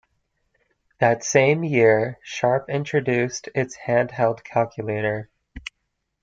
That same year, Sharp introduced its hand-held calculator.